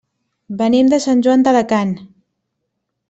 Venim de Sant Joan d'Alacant.